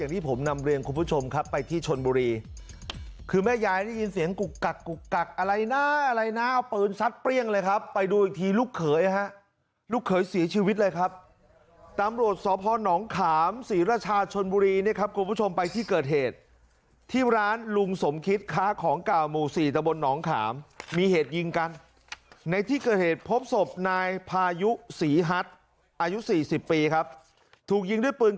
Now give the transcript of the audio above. ที่ผมนำเรียนคุณผู้ชมครับไปที่ชนบุรีคือแม่ยายได้ยินเสียงกุกกักกุกกักอะไรนะอะไรนะเอาปืนซัดเปรี้ยงเลยครับไปดูอีกทีลูกเขยฮะลูกเขยเสียชีวิตเลยครับตำรวจสพนขามศรีราชาชนบุรีเนี่ยครับคุณผู้ชมไปที่เกิดเหตุที่ร้านลุงสมคิดค้าของเก่าหมู่สี่ตะบนหนองขามมีเหตุยิงกันในที่เกิดเหตุพบศพนายพายุศรีฮัทอายุ๔๐ปีครับถูกยิงด้วยปืน